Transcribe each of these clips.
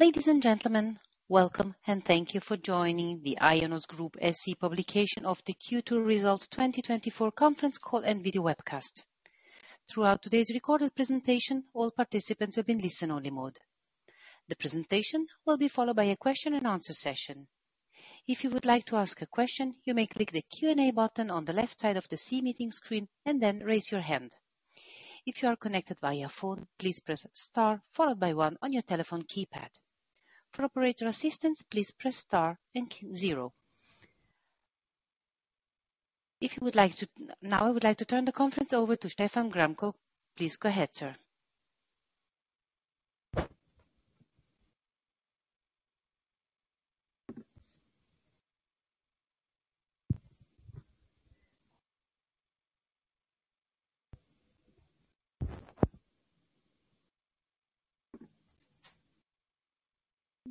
Ladies and gentlemen, welcome, and thank you for joining the IONOS Group SE publication of the Q2 2024 Results conference call and video webcast. Throughout today's recorded presentation, all participants have been listen only mode. The presentation will be followed by a question and answer session. If you would like to ask a question, you may click the Q&A button on the left side of the C-Meeting screen and then raise your hand. If you are connected via phone, please press star followed by one on your telephone keypad. For operator assistance, please press star and key zero. If you would like to. Now, I would like to turn the conference over to Stefan Gramkow. Please go ahead, sir.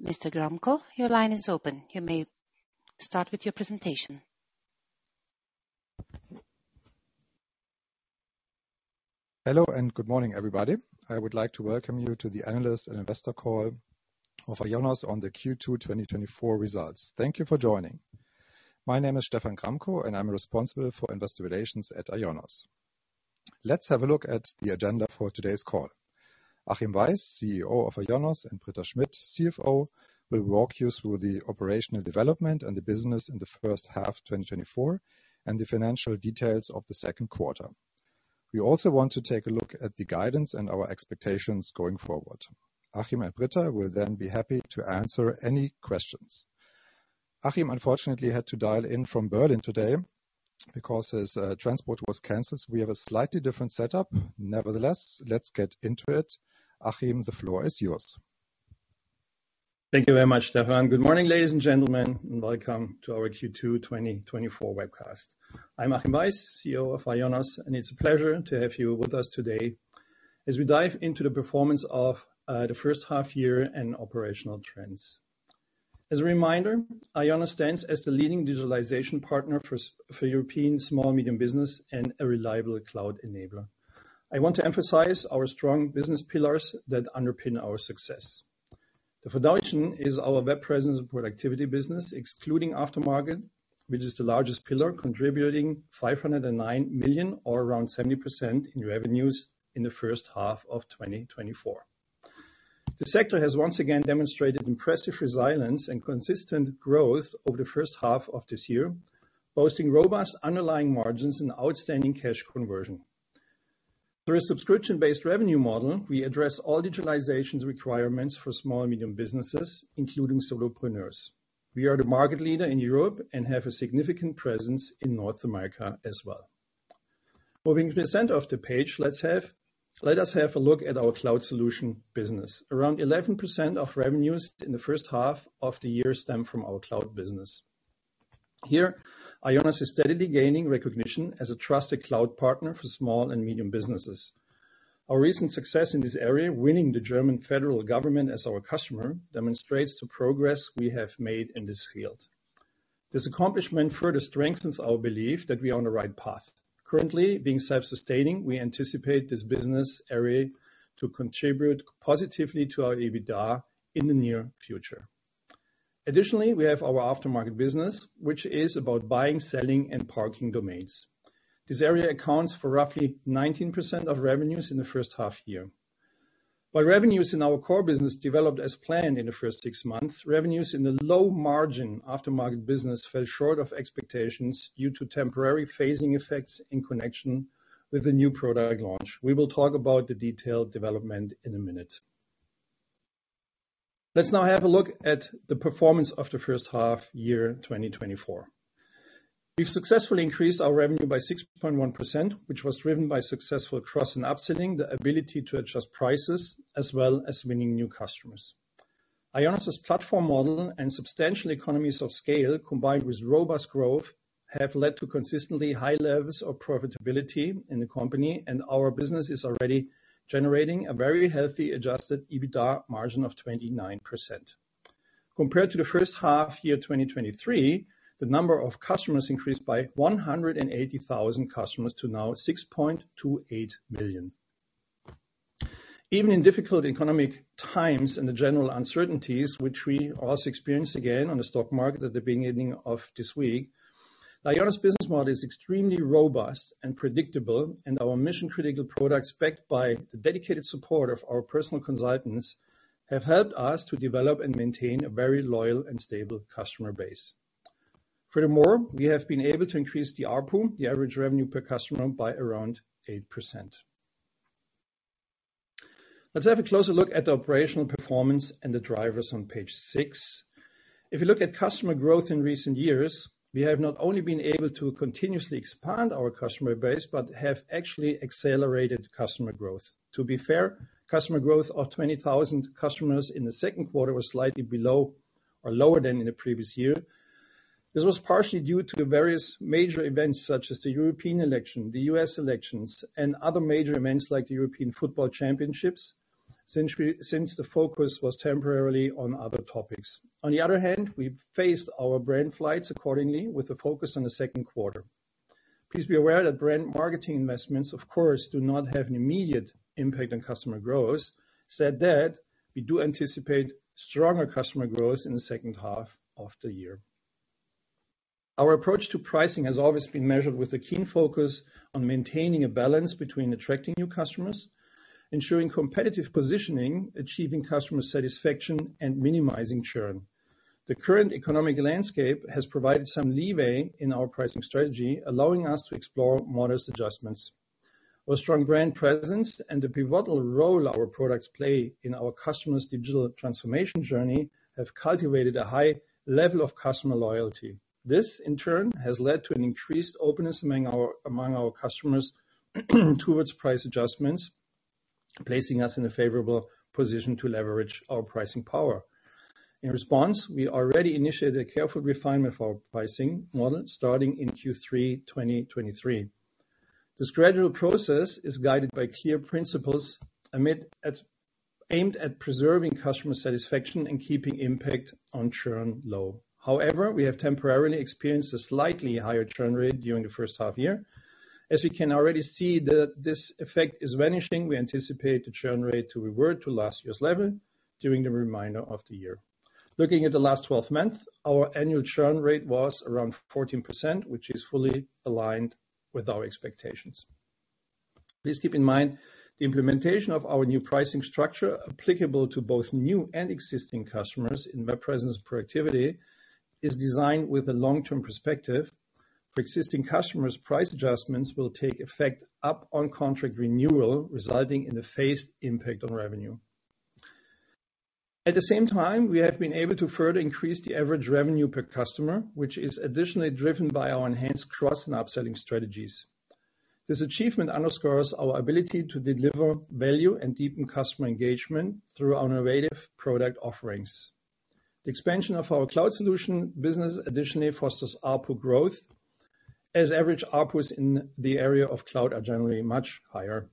Mr. Gramkow, your line is open. You may start with your presentation. Hello, and good morning, everybody. I would like to welcome you to the Analyst and Investor call of IONOS on the Q2 2024 results. Thank you for joining. My name is Stephan Gramkow, and I'm responsible for investor relations at IONOS. Let's have a look at the agenda for today's call. Achim Weiss, CEO of IONOS, and Britta Schmidt, CFO, will walk you through the operational development and the business in the first half of 2024, and the financial details of the second quarter. We also want to take a look at the guidance and our expectations going forward. Achim and Britta will then be happy to answer any questions. Achim, unfortunately, had to dial in from Berlin today because his transport was canceled, so we have a slightly different setup. Nevertheless, let's get into it. Achim, the floor is yours. Thank you very much, Stefan. Good morning, ladies and gentlemen, and welcome to our Q2 2024 webcast. I'm Achim Weiss, CEO of IONOS, and it's a pleasure to have you with us today as we dive into the performance of the first half year and operational trends. As a reminder, IONOS stands as the leading digitalization partner for European small, medium business and a reliable cloud enabler. I want to emphasize our strong business pillars that underpin our success. The foundation is our web presence and productivity business, excluding aftermarket, which is the largest pillar, contributing 509 million or around 70% in revenues in the first half of 2024. The sector has once again demonstrated impressive resilience and consistent growth over the first half of this year, boasting robust underlying margins and outstanding cash conversion. Through a subscription-based revenue model, we address all digitalization requirements for small and medium businesses, including solopreneurs. We are the market leader in Europe and have a significant presence in North America as well. Moving to the center of the page, let us have a look at our cloud solution business. Around 11% of revenues in the first half of the year stem from our cloud business. Here, IONOS is steadily gaining recognition as a trusted cloud partner for small and medium businesses. Our recent success in this area, winning the German federal government as our customer, demonstrates the progress we have made in this field. This accomplishment further strengthens our belief that we are on the right path. Currently, being self-sustaining, we anticipate this business area to contribute positively to our EBITDA in the near future. Additionally, we have our aftermarket business, which is about buying, selling, and parking domains. This area accounts for roughly 19% of revenues in the first half year. While revenues in our core business developed as planned in the first six months, revenues in the low margin aftermarket business fell short of expectations due to temporary phasing effects in connection with the new product launch. We will talk about the detailed development in a minute. Let's now have a look at the performance of the first half year, 2024. We've successfully increased our revenue by 6.1%, which was driven by successful cross and upselling, the ability to adjust prices, as well as winning new customers. IONOS's platform model and substantial economies of scale, combined with robust growth, have led to consistently high levels of profitability in the company, and our business is already generating a very healthy, adjusted EBITDA margin of 29%. Compared to the first half year, 2023, the number of customers increased by 180,000 customers to now 6.28 million. Even in difficult economic times and the general uncertainties which we also experienced again on the stock market at the beginning of this week, the IONOS business model is extremely robust and predictable, and our mission-critical products, backed by the dedicated support of our personal consultants, have helped us to develop and maintain a very loyal and stable customer base. Furthermore, we have been able to increase the ARPU, the average revenue per customer, by around 8%. Let's have a closer look at the operational performance and the drivers on page six. If you look at customer growth in recent years, we have not only been able to continuously expand our customer base, but have actually accelerated customer growth. To be fair, customer growth of 20,000 customers in the second quarter was slightly below or lower than in the previous year. This was partially due to the various major events such as the European election, the US elections, and other major events like the European Football Championships, since the focus was temporarily on other topics. On the other hand, we faced our brand flights accordingly with the focus on the second quarter.... Please be aware that brand marketing investments, of course, do not have an immediate impact on customer growth. That said, we do anticipate stronger customer growth in the second half of the year. Our approach to pricing has always been measured with a keen focus on maintaining a balance between attracting new customers, ensuring competitive positioning, achieving customer satisfaction, and minimizing churn. The current economic landscape has provided some leeway in our pricing strategy, allowing us to explore modest adjustments. Our strong brand presence and the pivotal role our products play in our customers' digital transformation journey, have cultivated a high level of customer loyalty. This, in turn, has led to an increased openness among our, among our customers, towards price adjustments, placing us in a favorable position to leverage our pricing power. In response, we already initiated a careful refinement for our pricing model starting in Q3 2023. This gradual process is guided by clear principles, aimed at preserving customer satisfaction and keeping impact on churn low. However, we have temporarily experienced a slightly higher churn rate during the first half year. As we can already see, this effect is vanishing. We anticipate the churn rate to revert to last year's level during the remainder of the year. Looking at the last 12 months, our annual churn rate was around 14%, which is fully aligned with our expectations. Please keep in mind, the implementation of our new pricing structure, applicable to both new and existing customers in web presence and productivity, is designed with a long-term perspective. For existing customers, price adjustments will take effect upon contract renewal, resulting in a phased impact on revenue. At the same time, we have been able to further increase the average revenue per customer, which is additionally driven by our enhanced cross and upselling strategies. This achievement underscores our ability to deliver value and deepen customer engagement through our innovative product offerings. The expansion of our cloud solution business additionally fosters ARPU growth, as average ARPUs in the area of cloud are generally much higher.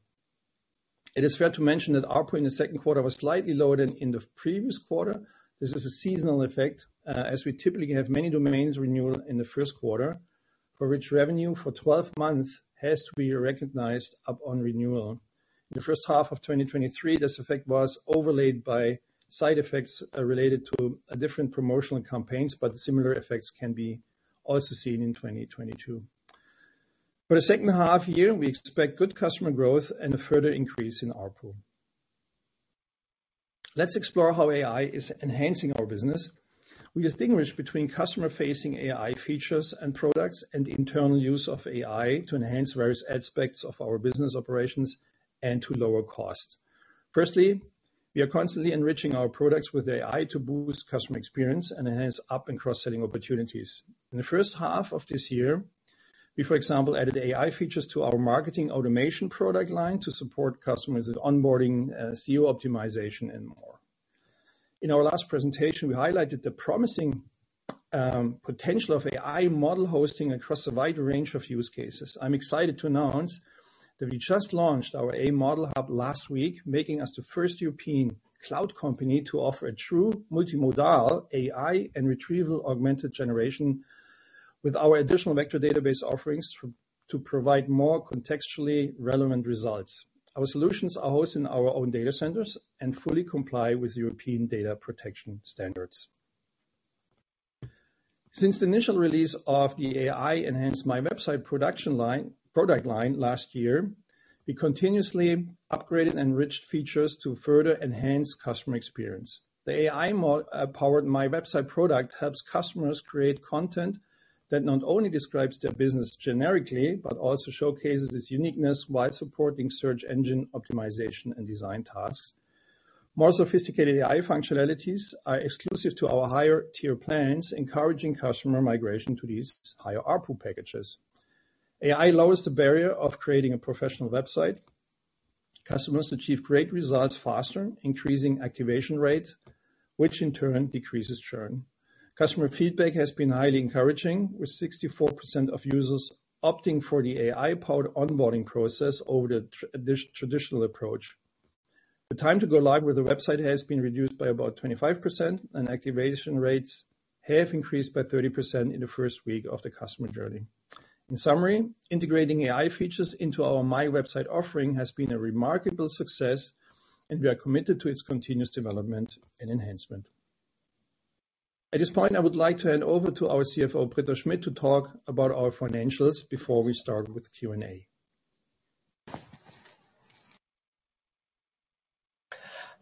It is fair to mention that ARPU in the second quarter was slightly lower than in the previous quarter. This is a seasonal effect, as we typically have many domains renewal in the first quarter, for which revenue for 12 months has to be recognized upon renewal. In the first half of 2023, this effect was overlaid by side effects, related to different promotional campaigns, but similar effects can be also seen in 2022. For the second half year, we expect good customer growth and a further increase in ARPU. Let's explore how AI is enhancing our business. We distinguish between customer-facing AI features and products, and the internal use of AI to enhance various aspects of our business operations and to lower cost. Firstly, we are constantly enriching our products with AI to boost customer experience and enhance up and cross-selling opportunities. In the first half of this year, we, for example, added AI features to our marketing automation product line to support customers with onboarding, SEO optimization and more. In our last presentation, we highlighted the promising potential of AI model hosting across a wide range of use cases. I'm excited to announce that we just launched our AI Model Hub last week, making us the first European cloud company to offer a true multimodal AI and retrieval augmented generation, with our additional vector database offerings to provide more contextually relevant results. Our solutions are hosted in our own data centers and fully comply with European data protection standards. Since the initial release of the AI-enhanced MyWebsite production line, product line last year, we continuously upgraded and enriched features to further enhance customer experience. The AI powered MyWebsite product helps customers create content that not only describes their business generically, but also showcases its uniqueness while supporting search engine optimization and design tasks. More sophisticated AI functionalities are exclusive to our higher tier plans, encouraging customer migration to these higher ARPU packages. AI lowers the barrier of creating a professional website. Customers achieve great results faster, increasing activation rate, which in turn decreases churn. Customer feedback has been highly encouraging, with 64% of users opting for the AI-powered onboarding process over the traditional approach. The time to go live with the website has been reduced by about 25%, and activation rates have increased by 30% in the first week of the customer journey. In summary, integrating AI features into our MyWebsite offering has been a remarkable success, and we are committed to its continuous development and enhancement. At this point, I would like to hand over to our CFO, Britta Schmidt, to talk about our financials before we start with Q&A.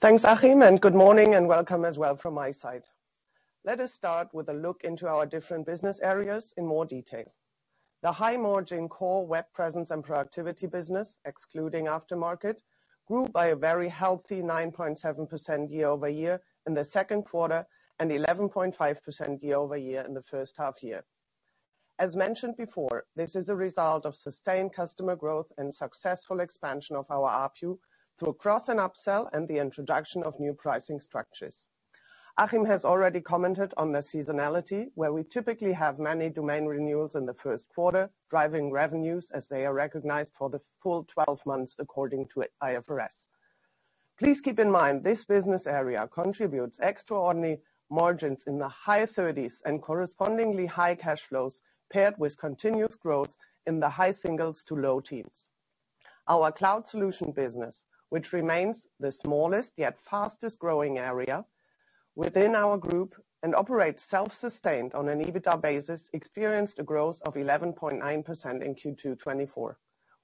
Thanks, Achim, and good morning, and welcome as well from my side. Let us start with a look into our different business areas in more detail. The high-margin core web presence and productivity business, excluding aftermarket, grew by a very healthy 9.7% year-over-year in the second quarter, and 11.5% year-over-year in the first half year. As mentioned before, this is a result of sustained customer growth and successful expansion of our ARPU through a cross- and upsell, and the introduction of new pricing structures. Achim has already commented on the seasonality, where we typically have many domain renewals in the first quarter, driving revenues as they are recognized for the full 12 months according to IFRS. Please keep in mind, this business area contributes extraordinary margins in the high 30s, and correspondingly high cash flows, paired with continuous growth in the high singles to low teens. Our cloud solution business, which remains the smallest, yet fastest growing area within our group, and operates self-sustained on an EBITDA basis, experienced a growth of 11.9% in Q2 2024.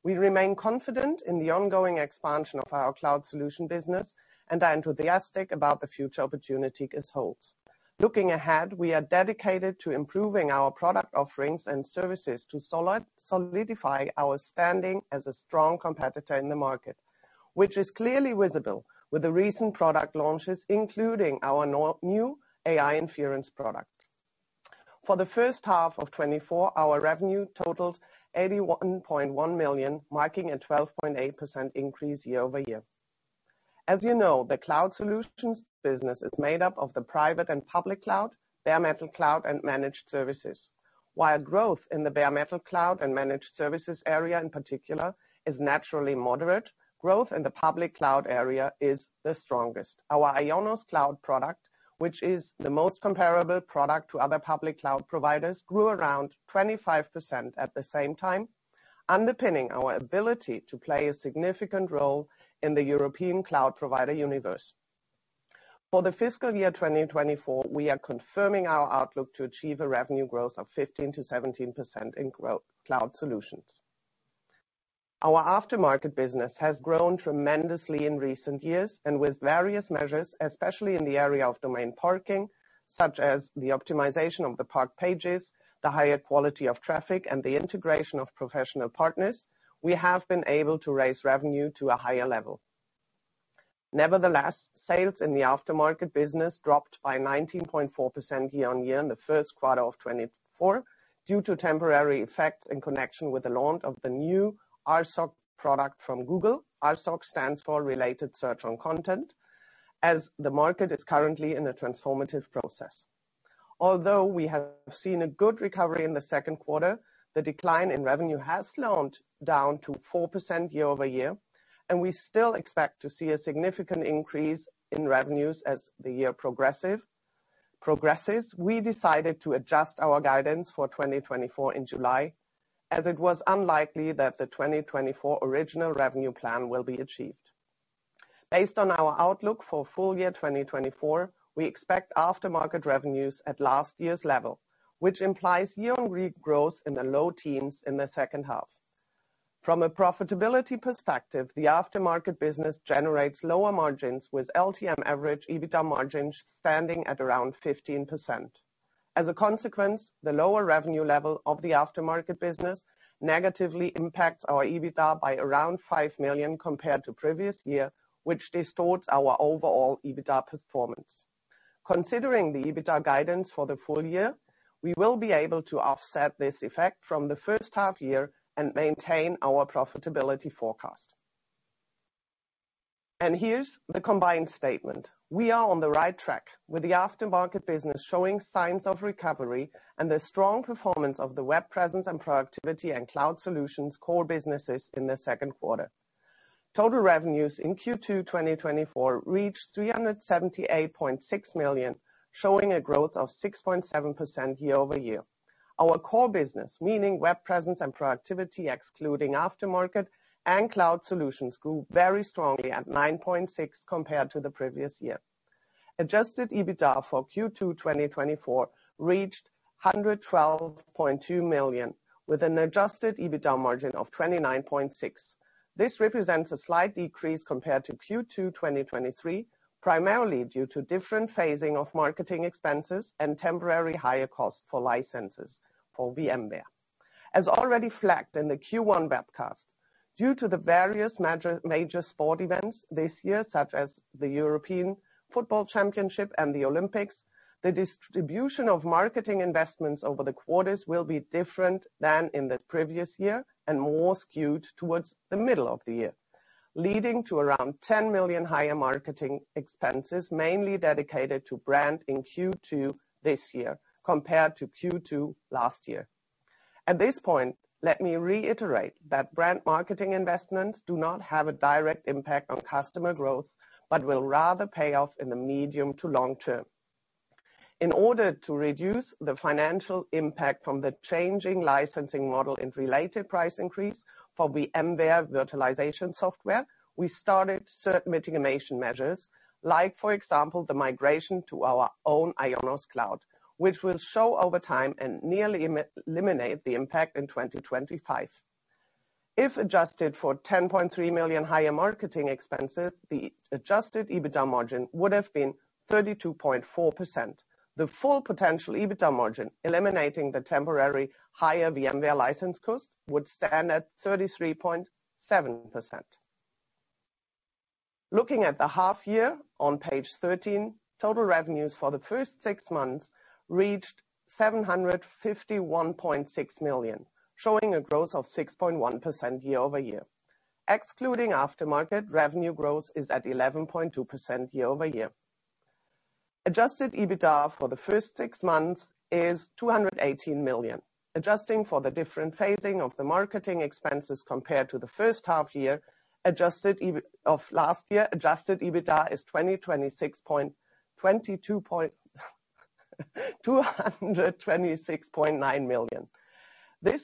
We remain confident in the ongoing expansion of our cloud solution business, and are enthusiastic about the future opportunity this holds. Looking ahead, we are dedicated to improving our product offerings and services to solidify our standing as a strong competitor in the market, which is clearly visible with the recent product launches, including our new AI inference product. For the first half of 2024, our revenue totaled 81.1 million, marking a 12.8% increase year-over-year. As you know, the Cloud Solutions business is made up of the private and Public Cloud, Bare Metal Cloud, and managed services. While growth in the Bare Metal Cloud and managed services area, in particular, is naturally moderate, growth in the Public Cloud area is the strongest. Our IONOS Cloud product, which is the most comparable product to other Public Cloud providers, grew around 25% at the same time, underpinning our ability to play a significant role in the European cloud provider universe. For the fiscal year 2024, we are confirming our outlook to achieve a revenue growth of 15%-17% in cloud solutions. Our aftermarket business has grown tremendously in recent years, and with various measures, especially in the area of domain parking, such as the optimization of the parked pages, the higher quality of traffic, and the integration of professional partners, we have been able to raise revenue to a higher level. Nevertheless, sales in the aftermarket business dropped by 19.4% year-over-year in the first quarter of 2024, due to temporary effects in connection with the launch of the new RSOC product from Google. RSOC stands for Related Search on Content, as the market is currently in a transformative process. Although we have seen a good recovery in the second quarter, the decline in revenue has slowed down to 4% year-over-year, and we still expect to see a significant increase in revenues as the year progresses. We decided to adjust our guidance for 2024 in July, as it was unlikely that the 2024 original revenue plan will be achieved. Based on our outlook for full year 2024, we expect aftermarket revenues at last year's level, which implies year-on-year growth in the low teens in the second half. From a profitability perspective, the aftermarket business generates lower margins, with LTM average EBITDA margins standing at around 15%. As a consequence, the lower revenue level of the aftermarket business negatively impacts our EBITDA by around 5 million compared to previous year, which distorts our overall EBITDA performance. Considering the EBITDA guidance for the full year, we will be able to offset this effect from the first half year and maintain our profitability forecast. Here's the combined statement: We are on the right track, with the aftermarket business showing signs of recovery, and the strong performance of the web presence and productivity and cloud solutions core businesses in the second quarter. Total revenues in Q2 2024 reached 378.6 million, showing a growth of 6.7% year-over-year. Our core business, meaning web presence and productivity, excluding aftermarket and cloud solutions, grew very strongly at 9.6% compared to the previous year. Adjusted EBITDA for Q2 2024 reached 112.2 million, with an adjusted EBITDA margin of 29.6%. This represents a slight decrease compared to Q2 2023, primarily due to different phasing of marketing expenses and temporarily higher costs for licenses for VMware. As already flagged in the Q1 webcast, due to the various major, major sports events this year, such as the European Football Championship and the Olympics, the distribution of marketing investments over the quarters will be different than in the previous year, and more skewed towards the middle of the year. Leading to around 10 million higher marketing expenses, mainly dedicated to brand in Q2 this year, compared to Q2 last year. At this point, let me reiterate that brand marketing investments do not have a direct impact on customer growth, but will rather pay off in the medium to long term. In order to reduce the financial impact from the changing licensing model and related price increase for VMware virtualization software, we started certain mitigation measures, like, for example, the migration to our own IONOS cloud, which will show over time and nearly eliminate the impact in 2025. If adjusted for 10.3 million higher marketing expenses, the adjusted EBITDA margin would have been 32.4%. The full potential EBITDA margin, eliminating the temporary higher VMware license cost, would stand at 33.7%. Looking at the half year on page 13, total revenues for the first six months reached 751.6 million, showing a growth of 6.1% year-over-year. Excluding aftermarket, revenue growth is at 11.2% year-over-year.... adjusted EBITDA for the first six months is 218 million. Adjusting for the different phasing of the marketing expenses compared to the first half year, adjusted EBITDA of last year, adjusted EBITDA is 226.9 million. This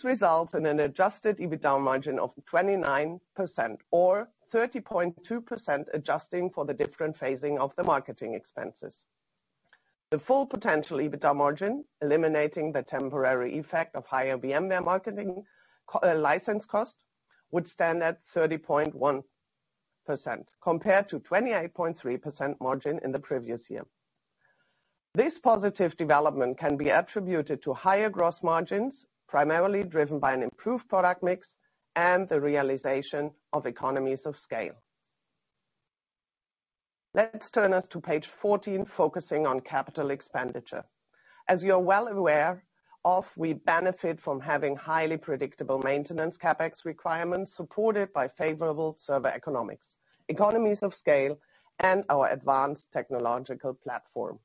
results in an adjusted EBITDA margin of 29% or 30.2%, adjusting for the different phasing of the marketing expenses. The full potential EBITDA margin, eliminating the temporary effect of higher VMware marketing co, license cost, would stand at 30.1%, compared to 28.3% margin in the previous year. This positive development can be attributed to higher gross margins, primarily driven by an improved product mix and the realization of economies of scale. Let's turn us to page 14, focusing on capital expenditure. As you're well aware of, we benefit from having highly predictable maintenance CapEx requirements, supported by favorable server economics, economies of scale, and our advanced technological platform.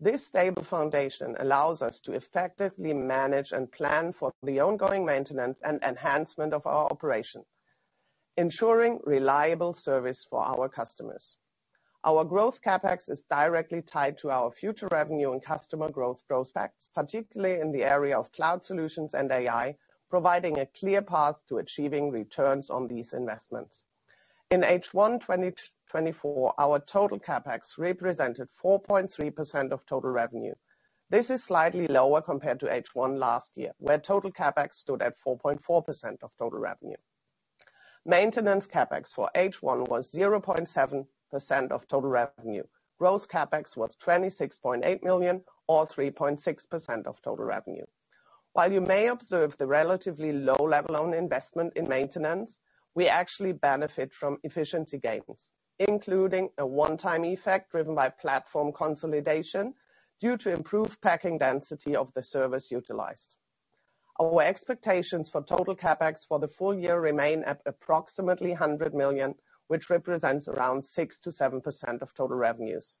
This stable foundation allows us to effectively manage and plan for the ongoing maintenance and enhancement of our operation, ensuring reliable service for our customers. Our growth CapEx is directly tied to our future revenue and customer growth prospects, particularly in the area of cloud solutions and AI, providing a clear path to achieving returns on these investments. In H1 2024, our total CapEx represented 4.3% of total revenue. This is slightly lower compared to H1 last year, where total CapEx stood at 4.4% of total revenue. Maintenance CapEx for H1 was 0.7% of total revenue. Gross CapEx was 26.8 million, or 3.6% of total revenue. While you may observe the relatively low level on investment in maintenance, we actually benefit from efficiency gains, including a one-time effect driven by platform consolidation due to improved packing density of the servers utilized. Our expectations for total CapEx for the full year remain at approximately 100 million, which represents around 6%-7% of total revenues.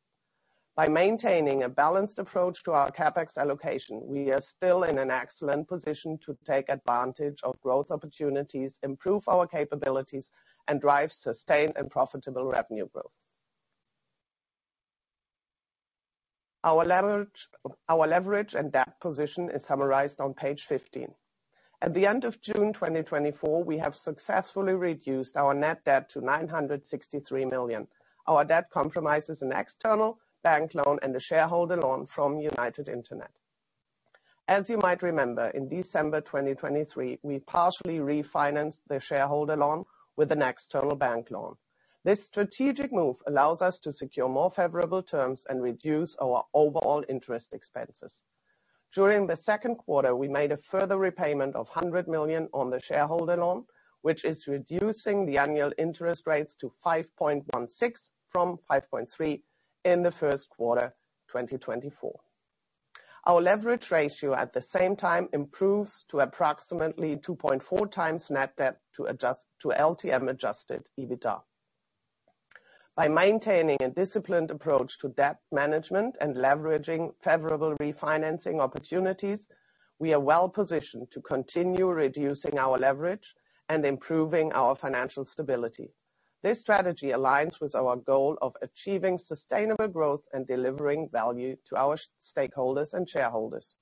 By maintaining a balanced approach to our CapEx allocation, we are still in an excellent position to take advantage of growth opportunities, improve our capabilities, and drive sustained and profitable revenue growth. Our leverage, our leverage and debt position is summarized on page 15. At the end of June 2024, we have successfully reduced our net debt to 963 million. Our debt comprises an external bank loan and a shareholder loan from United Internet. As you might remember, in December 2023, we partially refinanced the shareholder loan with an external bank loan. This strategic move allows us to secure more favorable terms and reduce our overall interest expenses. During the second quarter, we made a further repayment of 100 million on the shareholder loan, which is reducing the annual interest rates to 5.16 from 5.3 in the first quarter 2024. Our leverage ratio, at the same time, improves to approximately 2.4x net debt to LTM adjusted EBITDA. By maintaining a disciplined approach to debt management and leveraging favorable refinancing opportunities, we are well positioned to continue reducing our leverage and improving our financial stability. This strategy aligns with our goal of achieving sustainable growth and delivering value to our stakeholders and shareholders.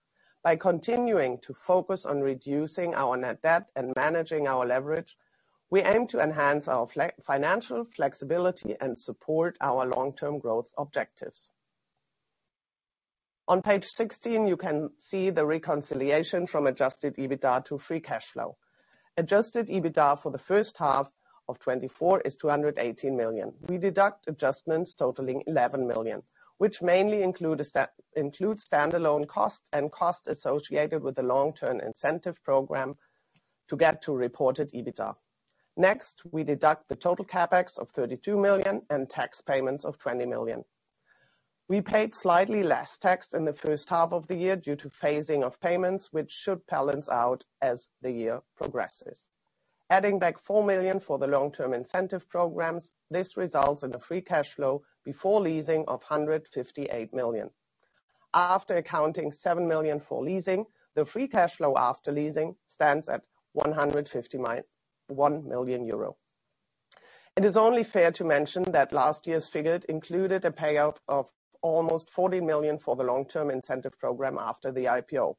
By continuing to focus on reducing our net debt and managing our leverage, we aim to enhance our financial flexibility and support our long-term growth objectives. On page 16, you can see the reconciliation from adjusted EBITDA to free cash flow. Adjusted EBITDA for the first half of 2024 is 218 million. We deduct adjustments totaling 11 million, which mainly include a includes standalone costs and costs associated with the long-term incentive program to get to reported EBITDA. Next, we deduct the total CapEx of 32 million and tax payments of 20 million. We paid slightly less tax in the first half of the year due to phasing of payments, which should balance out as the year progresses. Adding back 4 million for the long-term incentive programs, this results in a free cash flow before leasing of 158 million. After accounting 7 million for leasing, the free cash flow after leasing stands at 101 million euro. It is only fair to mention that last year's figures included a payout of almost 40 million for the long-term incentive program after the IPO.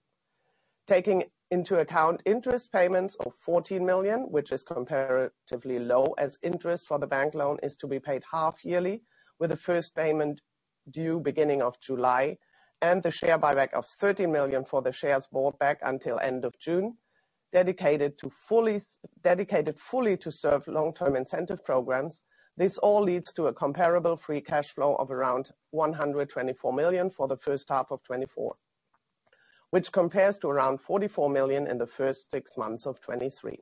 Taking into account interest payments of 14 million, which is comparatively low, as interest for the bank loan is to be paid half yearly, with the first payment due beginning of July, and the share buyback of 30 million for the shares bought back until end of June, dedicated fully to serve long-term incentive programs. This all leads to a comparable free cash flow of around 124 million for the first half of 2024, which compares to around 44 million in the first six months of 2023.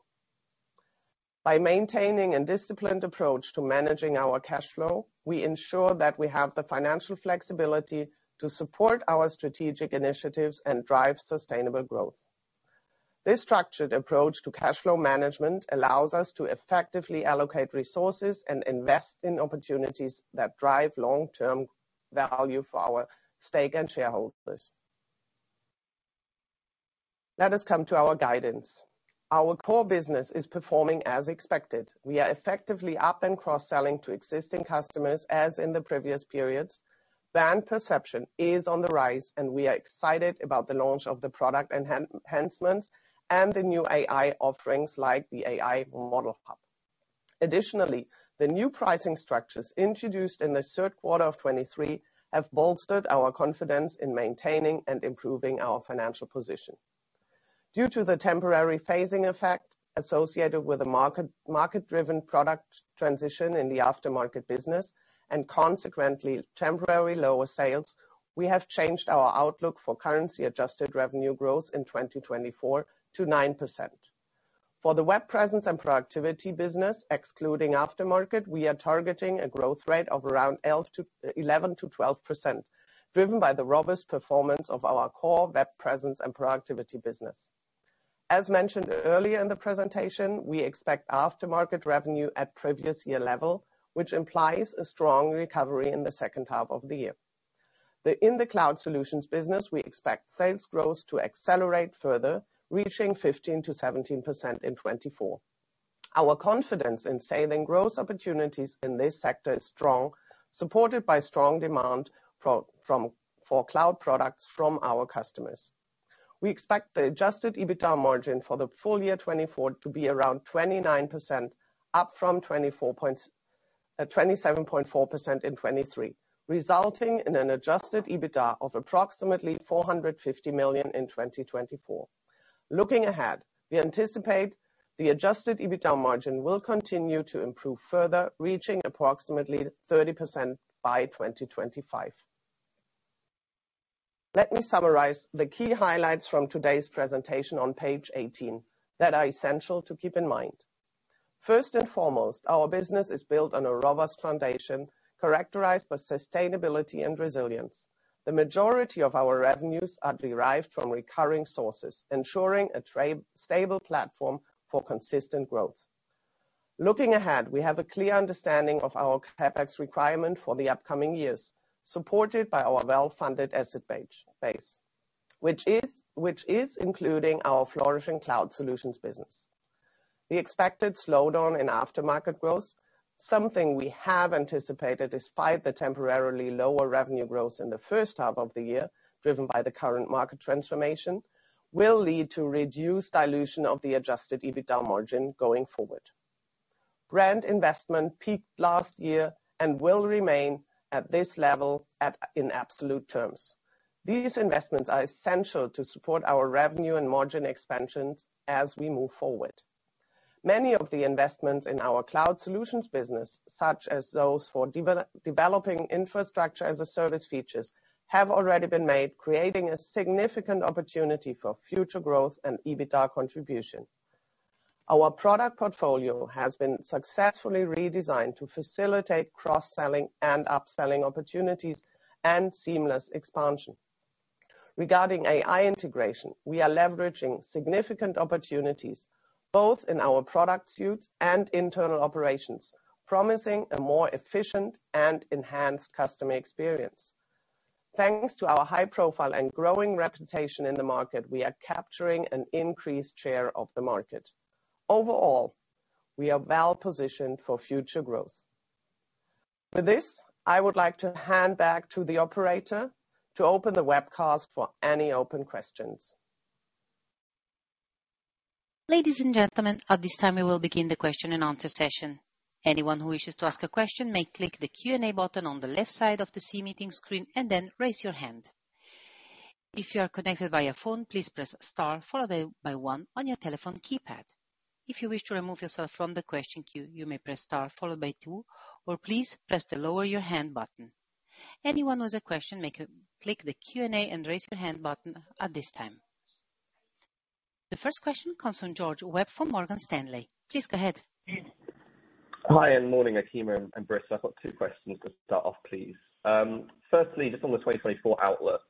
By maintaining a disciplined approach to managing our cash flow, we ensure that we have the financial flexibility to support our strategic initiatives and drive sustainable growth. This structured approach to cash flow management allows us to effectively allocate resources and invest in opportunities that drive long-term value for our stakeholders. Let us come to our guidance. Our core business is performing as expected. We are effectively up- and cross-selling to existing customers, as in the previous periods. Brand perception is on the rise, and we are excited about the launch of the product enhancements and the new AI offerings, like the AI Model Hub. Additionally, the new pricing structures introduced in the third quarter of 2023 have bolstered our confidence in maintaining and improving our financial position. Due to the temporary phasing effect associated with the market, market-driven product transition in the aftermarket business, and consequently, temporary lower sales, we have changed our outlook for currency-adjusted revenue growth in 2024 to 9%. For the web presence and productivity business, excluding aftermarket, we are targeting a growth rate of around 11%-12%, driven by the robust performance of our core web presence and productivity business. As mentioned earlier in the presentation, we expect aftermarket revenue at previous year level, which implies a strong recovery in the second half of the year. In the cloud solutions business, we expect sales growth to accelerate further, reaching 15%-17% in 2024. Our confidence in scaling growth opportunities in this sector is strong, supported by strong demand for cloud products from our customers. We expect the adjusted EBITDA margin for the full year 2024 to be around 29%, up from 27.4% in 2023, resulting in an adjusted EBITDA of approximately 450 million in 2024. Looking ahead, we anticipate the adjusted EBITDA margin will continue to improve further, reaching approximately 30% by 2025. Let me summarize the key highlights from today's presentation on page 18, that are essential to keep in mind. First and foremost, our business is built on a robust foundation, characterized by sustainability and resilience. The majority of our revenues are derived from recurring sources, ensuring a stable platform for consistent growth. Looking ahead, we have a clear understanding of our CapEx requirement for the upcoming years, supported by our well-funded asset base, which is including our flourishing cloud solutions business. The expected slowdown in aftermarket growth, something we have anticipated, despite the temporarily lower revenue growth in the first half of the year, driven by the current market transformation, will lead to reduced dilution of the adjusted EBITDA margin going forward. Brand investment peaked last year and will remain at this level, in absolute terms. These investments are essential to support our revenue and margin expansions as we move forward. Many of the investments in our cloud solutions business, such as those for developing infrastructure-as-a-service features, have already been made, creating a significant opportunity for future growth and EBITDA contribution. Our product portfolio has been successfully redesigned to facilitate cross-selling and upselling opportunities and seamless expansion. Regarding AI integration, we are leveraging significant opportunities, both in our product suites and internal operations, promising a more efficient and enhanced customer experience. Thanks to our high profile and growing reputation in the market, we are capturing an increased share of the market. Overall, we are well positioned for future growth. With this, I would like to hand back to the operator to open the webcast for any open questions. Ladies and gentlemen, at this time, we will begin the question and answer session. Anyone who wishes to ask a question may click the Q&A button on the left side of the C Meeting screen and then raise your hand. If you are connected via phone, please press star, followed by one on your telephone keypad. If you wish to remove yourself from the question queue, you may press star followed by two, or please press the Lower Your Hand button. Anyone with a question, click the Q&A and Raise Your Hand button at this time. The first question comes from George Webb, from Morgan Stanley. Please go ahead. Hi, and morning, Achim and Britta. I've got two questions to start off, please. Firstly, just on the 2024 outlook,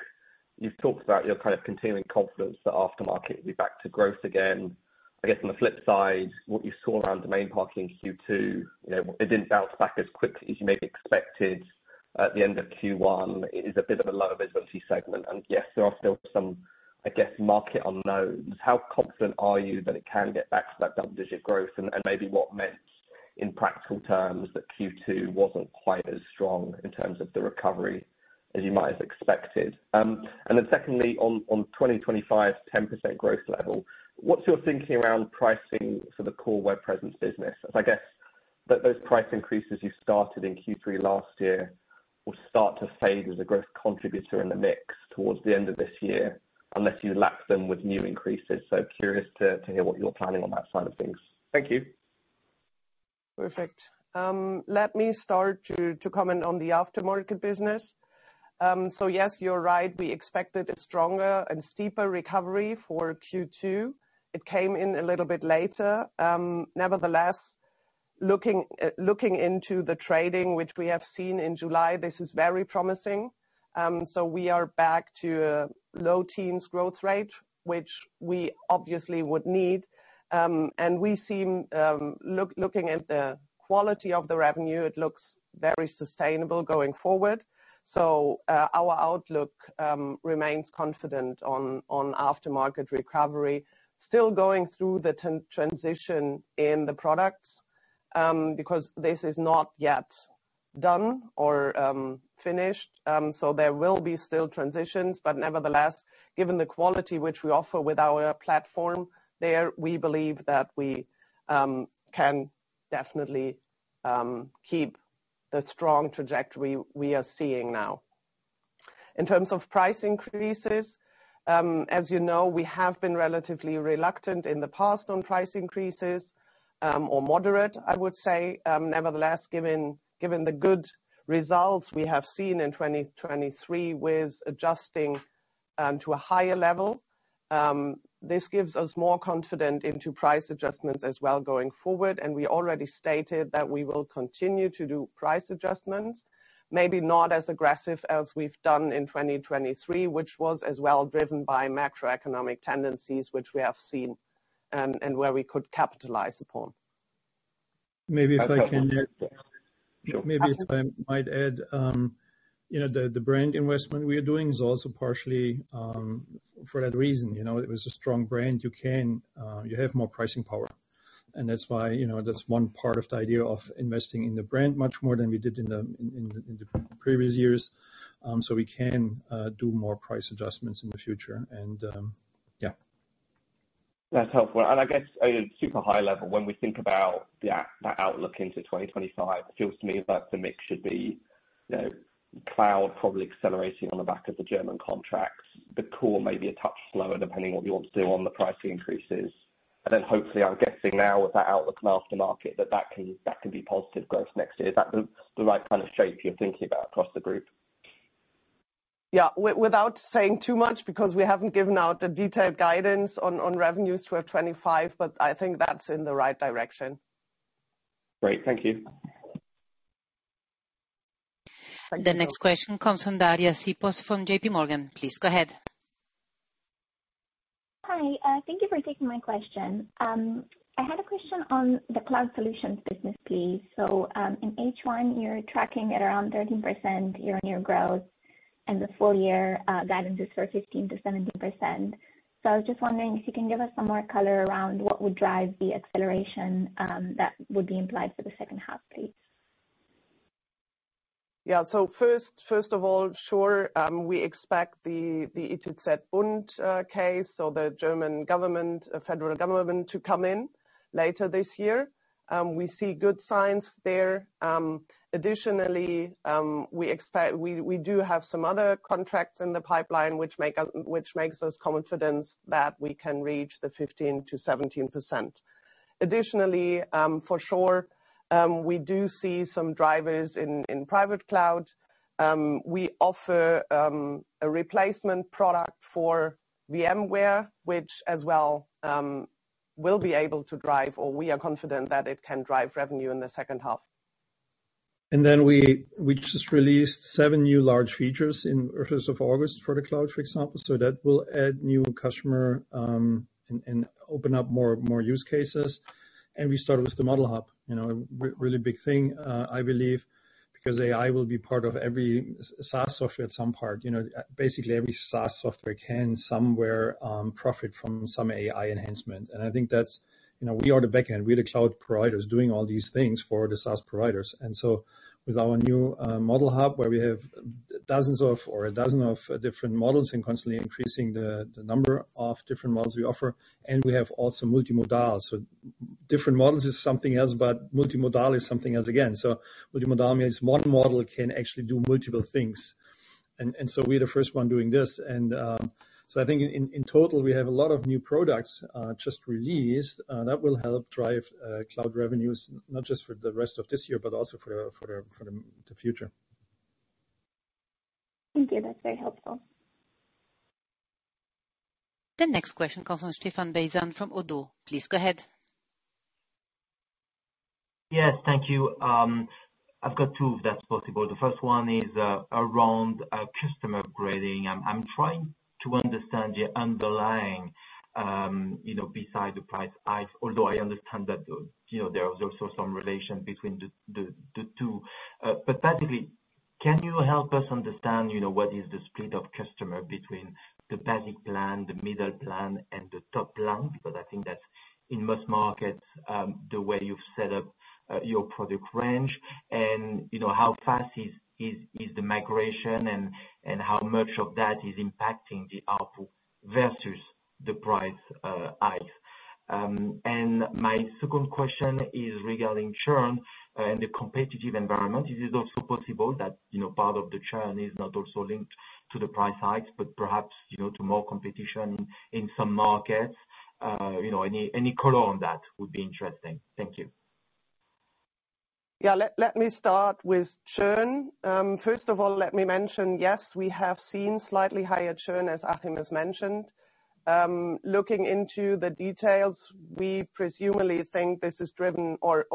you've talked about your kind of continuing confidence that aftermarket will be back to growth again. I guess on the flip side, what you saw around domain parking in Q2, you know, it didn't bounce back as quickly as you maybe expected at the end of Q1. It is a bit of a lower visibility segment, and yes, there are still some, I guess, market unknowns. How confident are you that it can get back to that double-digit growth? And maybe what that meant in practical terms, that Q2 wasn't quite as strong in terms of the recovery as you might have expected? And then secondly, on 2025, 10% growth level, what's your thinking around pricing for the core web presence business? As I guess, that those price increases you started in Q3 last year will start to fade as a growth contributor in the mix towards the end of this year, unless you lap them with new increases. So curious to hear what you're planning on that side of things. Thank you. Perfect. Let me start to comment on the aftermarket business. So yes, you're right, we expected a stronger and steeper recovery for Q2. It came in a little bit later. Nevertheless, looking into the trading which we have seen in July, this is very promising. So we are back to low teens growth rate, which we obviously would need. And we seem looking at the quality of the revenue, it looks very sustainable going forward. So our outlook remains confident on aftermarket recovery. Still going through the transition in the products because this is not yet done or finished. So there will be still transitions, but nevertheless, given the quality which we offer with our platform there, we believe that we can definitely keep the strong trajectory we are seeing now. In terms of price increases, as you know, we have been relatively reluctant in the past on price increases, or moderate, I would say. Nevertheless, given the good results we have seen in 2023, with adjusting to a higher level, this gives us more confident into price adjustments as well going forward. And we already stated that we will continue to do price adjustments, maybe not as aggressive as we've done in 2023, which was as well driven by macroeconomic tendencies, which we have seen, and where we could capitalize upon. Maybe if I can add, you know, the brand investment we are doing is also partially for that reason. You know, with a strong brand, you can, you have more pricing power, and that's why, you know, that's one part of the idea of investing in the brand much more than we did in the previous years. So we can do more price adjustments in the future. And yeah. That's helpful. I guess, at a super high level, when we think about the outlook into 2025, it feels to me like the mix should be, you know, cloud probably accelerating on the back of the German contracts. The core may be a touch slower, depending on what you want to do on the price increases. Then, hopefully, I'm guessing now with that outlook in aftermarket, that that can, that can be positive growth next year. Is that the right kind of shape you're thinking about across the group? Yeah. Without saying too much, because we haven't given out the detailed guidance on, on revenues for 2025, but I think that's in the right direction. Great. Thank you. The next question comes from Daria Sipos from JP Morgan. Please go ahead. Hi, thank you for taking my question. I had a question on the cloud solutions business, please. So, in H1, you're tracking at around 13% year-on-year growth, and the full year, guidance is for 15%-17%. So I was just wondering if you can give us some more color around what would drive the acceleration, that would be implied for the second half, please? Yeah. So first of all, sure, we expect the ITZBund case or the German government, federal government, to come in later this year. We see good signs there. Additionally, we expect. We do have some other contracts in the pipeline which make us, which makes us confidence that we can reach the 15%-17%. Additionally, for sure, we do see some drivers in private cloud. We offer a replacement product for VMware, which as well will be able to drive, or we are confident that it can drive revenue in the second half. And then we just released seven new large features in first of August for the cloud, for example. So that will add new customer, and open up more use cases. And we started with the Model Hub, you know, really big thing, I believe, because AI will be part of every SaaS software at some part. You know, basically, every SaaS software can somewhere, profit from some AI enhancement. And I think that's, you know, we are the back end. We are the cloud providers doing all these things for the SaaS providers. And so with our new, Model Hub, where we have dozens of or a dozen of different models and constantly increasing the number of different models we offer, and we have also multimodal. So different models is something else, but multimodal is something else again. So multimodal means one model can actually do multiple things. And so we're the first one doing this. So I think in total, we have a lot of new products just released that will help drive cloud revenues, not just for the rest of this year, but also for the future. Thank you. That's very helpful. The next question comes from Stephane Beyazian from Oddo. Please go ahead. Yes, thank you. I've got two, if that's possible. The first one is around customer grading. I'm trying to understand the underlying, you know, beside the price hike, although I understand that, you know, there is also some relation between the two. But basically, can you help us understand, you know, what is the split of customer between the basic plan, the middle plan, and the top plan? Because I think that's, in most markets, the way you've set up your product range. And, you know, how fast is the migration and how much of that is impacting the output versus the price hike? And my second question is regarding churn and the competitive environment. Is it also possible that, you know, part of the churn is not also linked to the price hikes, but perhaps, you know, to more competition in some markets? You know, any color on that would be interesting. Thank you. ... Yeah, let me start with churn. First of all, let me mention, yes, we have seen slightly higher churn, as Achim has mentioned. Looking into the details, we presumably think this is driven or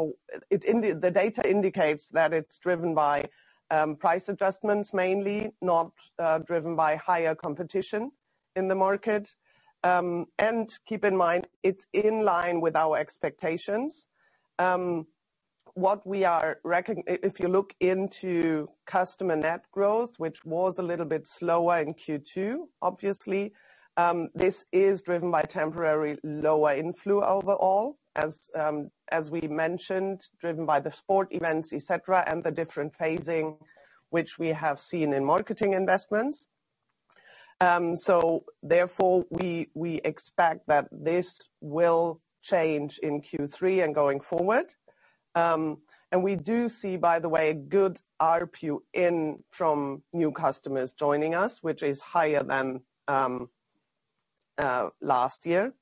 the data indicates that it's driven by price adjustments mainly, not driven by higher competition in the market. And keep in mind, it's in line with our expectations. If you look into customer net growth, which was a little bit slower in Q2, obviously, this is driven by temporary lower inflow overall, as we mentioned, driven by the sports events, et cetera, and the different phasing which we have seen in marketing investments. So therefore, we expect that this will change in Q3 and going forward. And we do see, by the way, good ARPU from new customers joining us, which is higher than last year.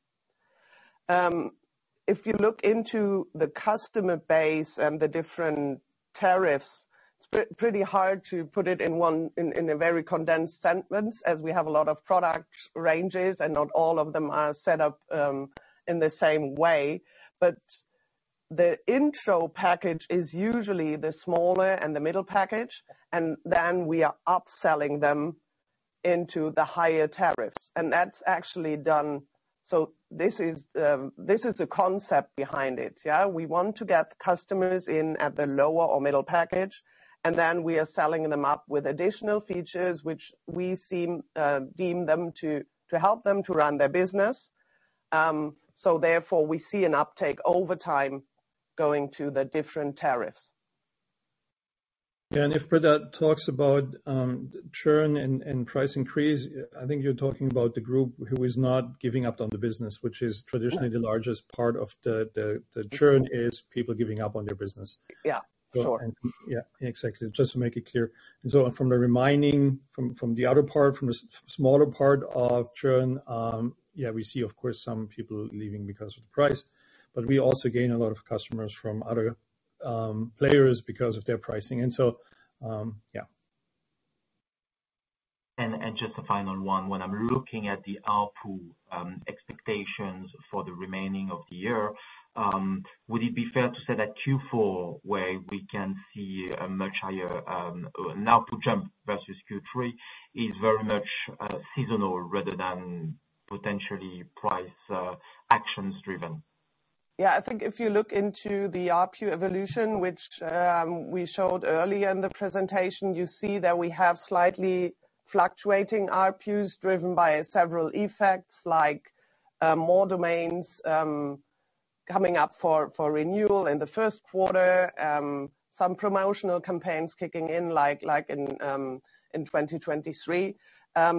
If you look into the customer base and the different tariffs, it's pretty hard to put it in one, in a very condensed sentence, as we have a lot of product ranges, and not all of them are set up in the same way. But the intro package is usually the smaller and the middle package, and then we are upselling them into the higher tariffs. And that's actually done. So this is the concept behind it, yeah? We want to get customers in at the lower or middle package, and then we are selling them up with additional features which we deem them to help them to run their business. Therefore, we see an uptake over time going to the different tariffs. Yeah, and if Britta talks about churn and price increase, I think you're talking about the group who is not giving up on the business, which is traditionally the largest part of the churn, is people giving up on their business. Yeah, sure. Yeah, exactly. Just to make it clear. And so from the remaining, from the other part, from the smaller part of churn, yeah, we see, of course, some people leaving because of the price, but we also gain a lot of customers from other players because of their pricing. And so, yeah. Just a final one. When I'm looking at the ARPU expectations for the remaining of the year, would it be fair to say that Q4, where we can see a much higher ARPU jump versus Q3, is very much seasonal rather than potentially price actions driven? Yeah, I think if you look into the ARPU evolution, which, we showed earlier in the presentation, you see that we have slightly fluctuating ARPUs, driven by several effects, like, more domains coming up for renewal in the first quarter, some promotional campaigns kicking in, like in 2023.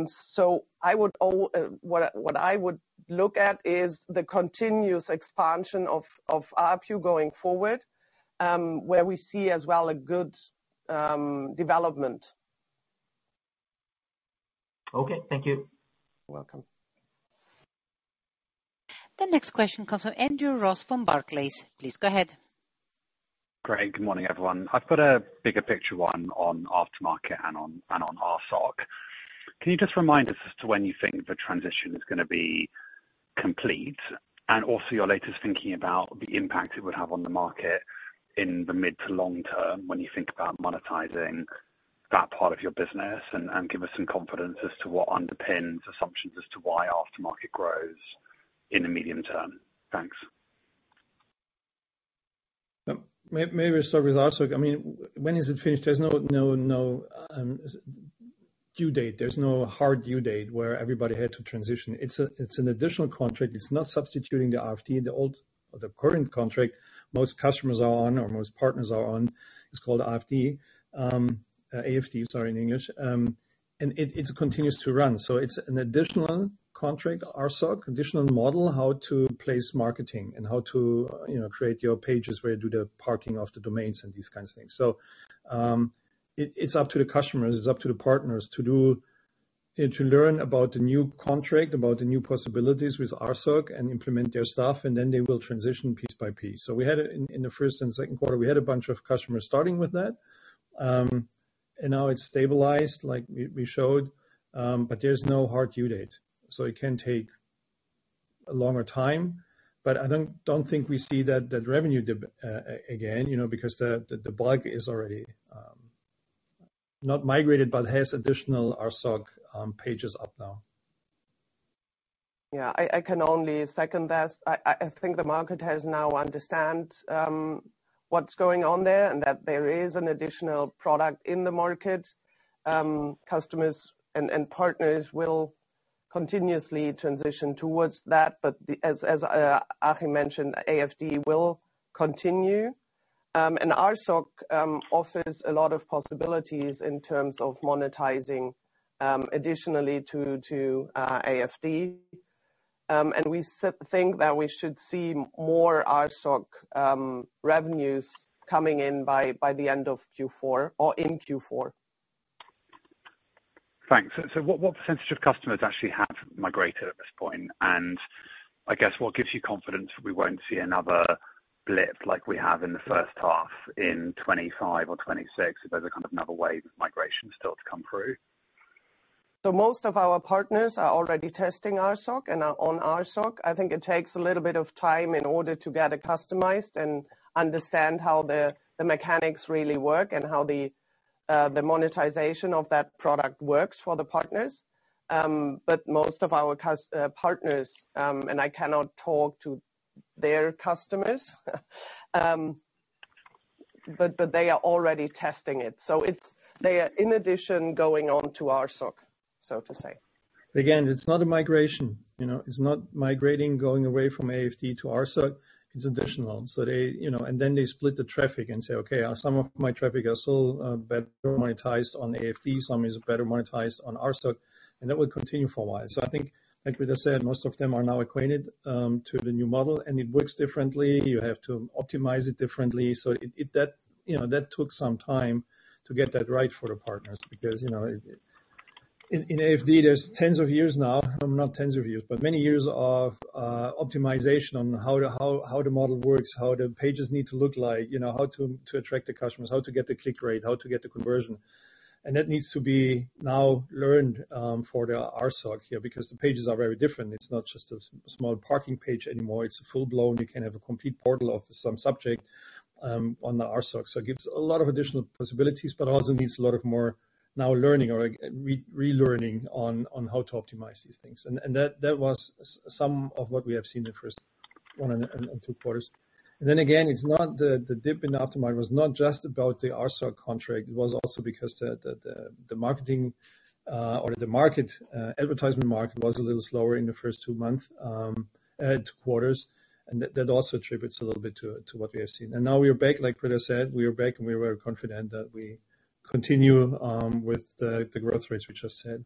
So, what I would look at is the continuous expansion of ARPU going forward, where we see as well a good development. Okay, thank you. Welcome. The next question comes from Andrew Ross, from Barclays. Please go ahead. Great. Good morning, everyone. I've got a bigger picture, one on aftermarket and on, and on RSOC. Can you just remind us as to when you think the transition is gonna be complete? And also, your latest thinking about the impact it would have on the market in the mid to long term, when you think about monetizing that part of your business, and, and give us some confidence as to what underpins assumptions as to why aftermarket grows in the medium term. Thanks. Maybe I'll start with RSOC. I mean, when is it finished? There's no due date. There's no hard due date where everybody had to transition. It's an additional contract. It's not substituting the AFD, the old or the current contract most customers are on, or most partners are on. It's called AFD, sorry, in English. And it continues to run. So it's an additional contract, RSOC, additional model, how to place marketing and how to, you know, create your pages, where you do the parking of the domains and these kinds of things. So, it's up to the customers, it's up to the partners to learn about the new contract, about the new possibilities with RSOC and implement their stuff, and then they will transition piece by piece. So we had it in the first and second quarter, we had a bunch of customers starting with that. And now it's stabilized, like we showed, but there's no hard due date, so it can take a longer time. But I don't think we see that revenue dip again, you know, because the bulk is already not migrated, but has additional RSOC pages up now. Yeah, I can only second that. I think the market has now understand what's going on there, and that there is an additional product in the market. Customers and partners will continuously transition towards that, but as Achim mentioned, AFD will continue. And RSOC offers a lot of possibilities in terms of monetizing additionally to AFD. And we think that we should see more RSOC revenues coming in by the end of Q4 or in Q4.... Thanks. So, what percentage of customers actually have migrated at this point? And I guess, what gives you confidence we won't see another blip like we have in the first half in 2025 or 2026, if there's a kind of another wave of migration still to come through? So most of our partners are already testing RSOC and are on RSOC. I think it takes a little bit of time in order to get it customized and understand how the mechanics really work and how the monetization of that product works for the partners. But most of our partners, and I cannot talk to their customers, but they are already testing it. So they are, in addition, going on to RSOC, so to say. Again, it's not a migration, you know, it's not migrating, going away from AFD to RSOC, it's additional. So they, you know, and then they split the traffic and say, "Okay, some of my traffic are still better monetized on AFD, some is better monetized on RSOC," and that will continue for a while. So I think, like we just said, most of them are now acquainted to the new model, and it works differently. You have to optimize it differently. So that, you know, that took some time to get that right for the partners, because, you know, in AFD, there's tens of years now, not tens of years, but many years of optimization on how the model works, how the pages need to look like, you know, how to attract the customers, how to get the click rate, how to get the conversion. And that needs to be now learned for the RSOC here, because the pages are very different. It's not just a small parking page anymore, it's a full-blown, you can have a complete portal of some subject on the RSOC. So it gives a lot of additional possibilities, but also needs a lot of more now learning or relearning on how to optimize these things. And that was some of what we have seen in the first one and two quarters. And then again, it's not the dip in the aftermarket was not just about the RSOC contract, it was also because the marketing or the market advertisement market was a little slower in the first two months, two quarters, and that also attributes a little bit to what we have seen. And now we are back, like Greta said, we are back, and we are confident that we continue with the growth rates we just said.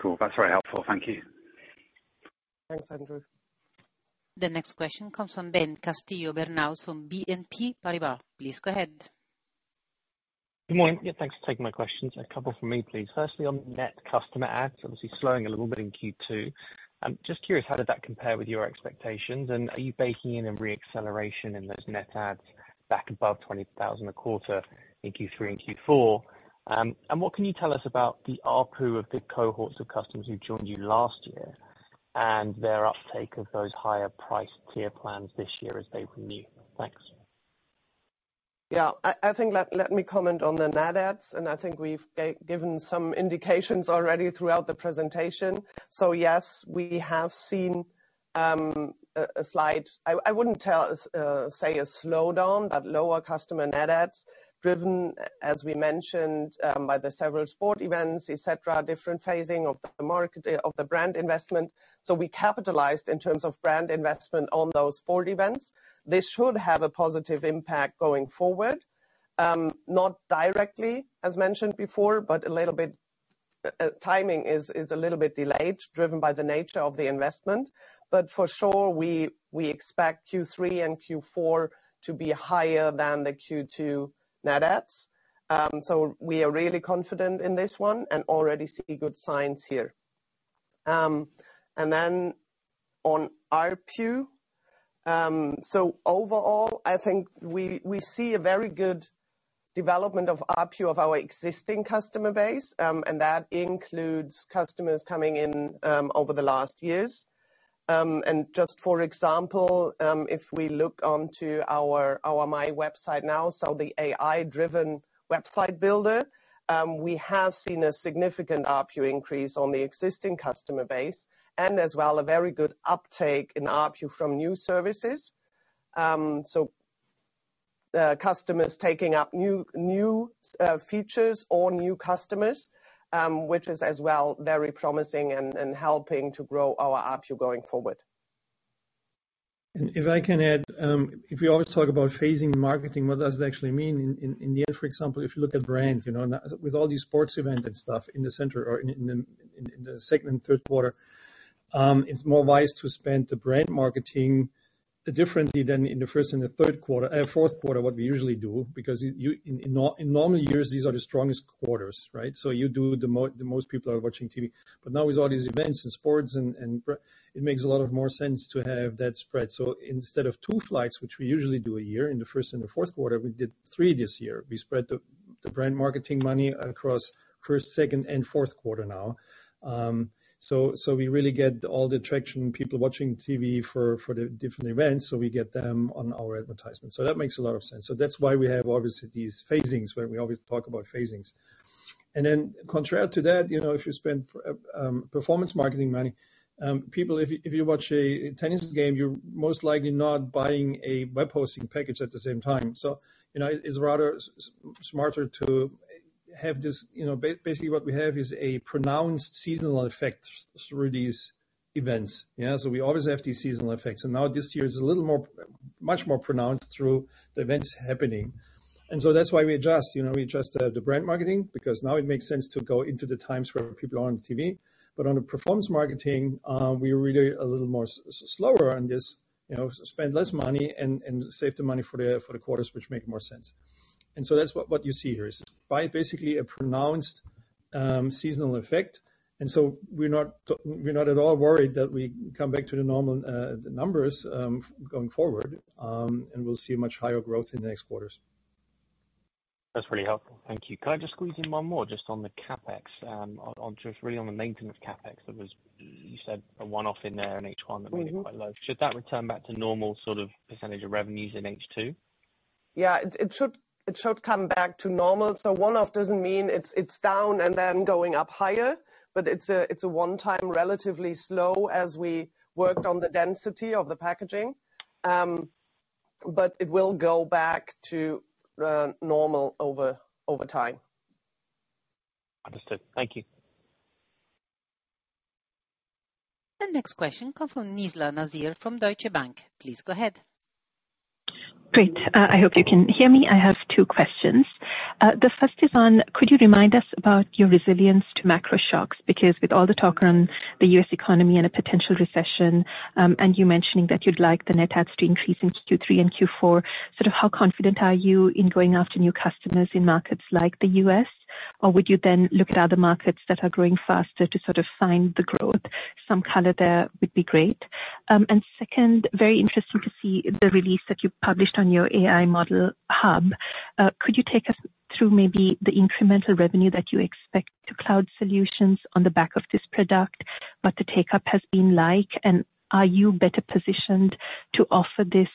Cool. That's very helpful. Thank you. Thanks, Andrew. The next question comes from Ben Castillo Bernaus from BNP Paribas. Please go ahead. Good morning. Yeah, thanks for taking my questions. A couple from me, please. Firstly, on net customer ads, obviously slowing a little bit in Q2. Just curious, how did that compare with your expectations? And are you baking in a re-acceleration in those net ads back above 20,000 a quarter in Q3 and Q4? And what can you tell us about the ARPU of the cohorts of customers who joined you last year, and their uptake of those higher price tier plans this year as they renew? Thanks. Yeah. I think, let me comment on the net adds, and I think we've given some indications already throughout the presentation. So yes, we have seen a slide. I wouldn't say a slowdown, but lower customer net adds, driven as we mentioned by the several sport events, et cetera, different phasing of the market of the brand investment. So we capitalized, in terms of brand investment, on those sport events. This should have a positive impact going forward, not directly, as mentioned before, but a little bit, timing is a little bit delayed, driven by the nature of the investment. But for sure, we expect Q3 and Q4 to be higher than the Q2 net adds. So we are really confident in this one, and already see good signs here. And then on ARPU, so overall, I think we see a very good development of ARPU of our existing customer base, and that includes customers coming in over the last years. And just for example, if we look onto our MyWebsite Now, so the AI-driven website builder, we have seen a significant ARPU increase on the existing customer base, and as well, a very good uptake in ARPU from new services. So, customers taking up new features or new customers, which is as well, very promising and helping to grow our ARPU going forward. And if I can add, if we always talk about phasing marketing, what does it actually mean? In the end, for example, if you look at brand, you know, and with all these sports event and stuff in the center or in the second and third quarter, it's more wise to spend the brand marketing differently than in the first and the third quarter, fourth quarter, what we usually do, because in normal years, these are the strongest quarters, right? So the most people are watching TV. But now with all these events and sports and it makes a lot more sense to have that spread. So instead of 2 flights, which we usually do a year, in the first and the fourth quarter, we did 3 this year. We spread the brand marketing money across first, second, and fourth quarter now. So we really get all the attraction, people watching TV for the different events, so we get them on our advertisement. So that makes a lot of sense. So that's why we have obviously these phasings, where we always talk about phasings. And then contrary to that, you know, if you spend performance marketing money, people, if you, if you watch a tennis game, you're most likely not buying a web hosting package at the same time. So, you know, it's rather smarter to have this, you know, basically what we have is a pronounced seasonal effect through these events. Yeah, so we always have these seasonal effects. And now this year is a little more, much more pronounced through the events happening. And so that's why we adjust, you know, we adjust, the brand marketing, because now it makes sense to go into the times where people are on TV. But on the performance marketing, we're really a little more slower on this, you know, spend less money and save the money for the quarters which make more sense. And so that's what you see here, is basically a pronounced seasonal effect. And so we're not we're not at all worried that we come back to the normal numbers, going forward, and we'll see much higher growth in the next quarters. That's really helpful. Thank you. Can I just squeeze in one more just on the CapEx, just really on the maintenance CapEx? That was, you said, a one-off in there in H1 that was quite low. Mm-hmm. Should that return back to normal, sort of, percentage of revenues in H2? Yeah, it should come back to normal. So one-off doesn't mean it's down and then going up higher, but it's a one-time, relatively slow as we worked on the density of the packaging. But it will go back to normal over time. Understood. Thank you. The next question comes from Nizla Naizer from Deutsche Bank. Please go ahead. Great. I hope you can hear me. I have two questions. The first is on, could you remind us about your resilience to macro shocks? Because with all the talk around the US economy and a potential recession, and you mentioning that you'd like the net adds to increase in Q3 and Q4, sort of, how confident are you in going after new customers in markets like the US? Or would you then look at other markets that are growing faster to sort of find the growth? Some color there would be great. And second, very interesting to see the release that you published on your AI Model Hub. Could you take us through maybe the incremental revenue that you expect to cloud solutions on the back of this product? What the take-up has been like, and are you better positioned to offer this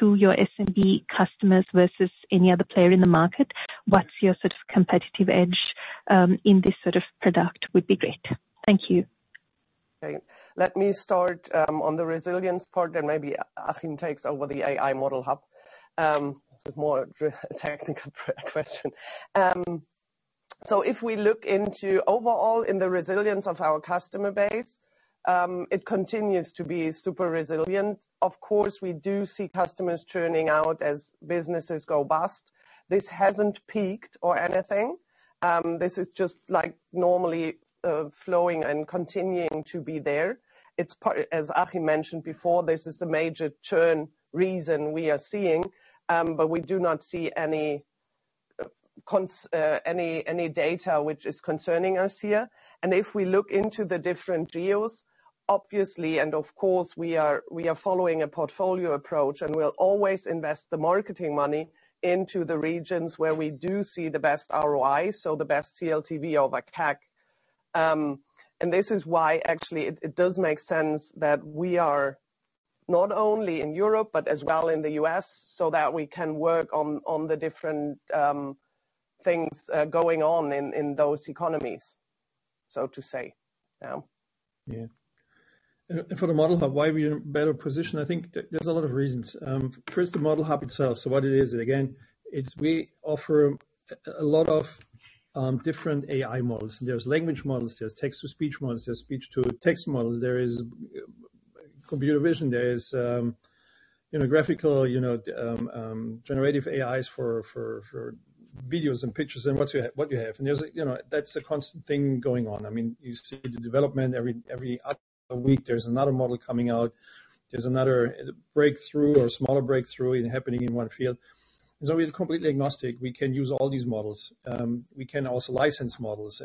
to your SMB customers versus any other player in the market? What's your sort of competitive edge in this sort of product? Would be great. Thank you. Okay. Let me start on the resilience part, and maybe Achim takes over the AI model hub. It's a more technical question. So if we look into overall, in the resilience of our customer base, it continues to be super resilient. Of course, we do see customers churning out as businesses go bust. This hasn't peaked or anything. This is just, like, normally, flowing and continuing to be there. It's part... As Achim mentioned before, this is the major churn reason we are seeing, but we do not see any data which is concerning us here. If we look into the different geos, obviously, and of course, we are following a portfolio approach, and we'll always invest the marketing money into the regions where we do see the best ROI, so the best CLTV over CAC. And this is why, actually, it does make sense that we are not only in Europe, but as well in the US, so that we can work on the different things going on in those economies, so to say now. Yeah. And for the model hub, why we are in a better position? I think there, there's a lot of reasons. First, the model hub itself. So what it is, again, it's we offer a lot of different AI models. There's language models, there's text-to-speech models, there's speech-to-text models, there is computer vision, there is you know, graphical, you know, generative AIs for videos and pictures and what you have. And there's a you know, that's the constant thing going on. I mean, you see the development every other week, there's another model coming out, there's another breakthrough or smaller breakthrough happening in one field. And so we're completely agnostic. We can use all these models. We can also license models.